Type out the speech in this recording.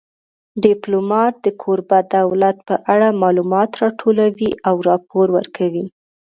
ډیپلومات د کوربه دولت په اړه معلومات راټولوي او راپور ورکوي